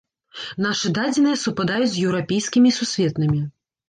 Нашы дадзеныя супадаюць з еўрапейскімі і сусветнымі.